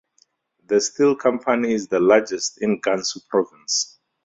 The steel company is the largest in Gansu Province.